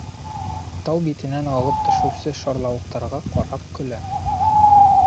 Тау битенән ағып төшөүсе шарлауыҡтарға ҡарап көлә.